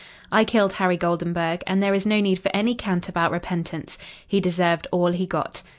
I killed Harry Goldenburg, and there is no need for any cant about repentance. He deserved all he got.